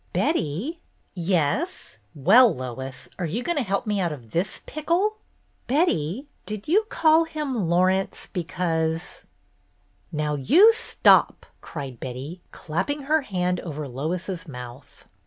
"Betty?" "Yes? Well, Lois, are you going to help me out of this pickle ?" "Betty, did you call him 'Laurence' be cause —" "Now you stop !" cried Betty, clapping her hand over Lois's mouth.